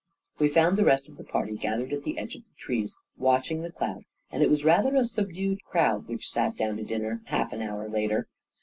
We found the rest of the party gathered at the edge of the trees watching the cloud, and it was rather a subdued crowd which sat down to dinner half an hour later.